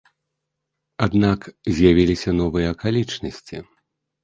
Аднак з'явіліся новыя акалічнасці.